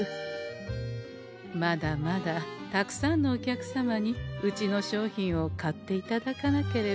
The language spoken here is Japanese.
まだまだたくさんのお客様にうちの商品を買っていただかなければ。